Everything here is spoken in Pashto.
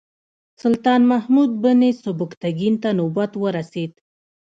سلطان محمود بن سبکتګین ته نوبت ورسېد.